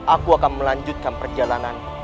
aku akan melanjutkan perjalanan